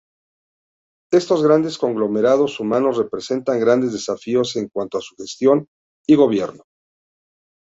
Estos grandes conglomerados humanos representan grandes desafíos en cuanto a su gestión y gobierno.